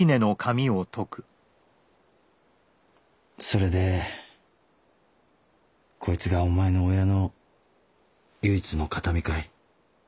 それでこいつがお前の親の唯一の形見かい？